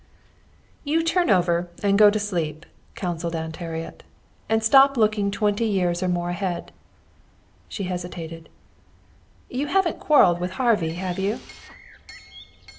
"You turn over and go to sleep," counseled Aunt Harriet. "And stop looking twenty years or more ahead." She hesitated. "You haven't quarreled with Harvey, have you?"